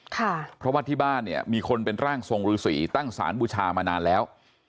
เพราะว่าที่บ้านเนี่ยมีคนเป็นร่างทรงฤษีตั้งสารบูชามานานแล้ว